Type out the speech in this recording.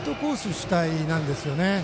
主体なんですよね。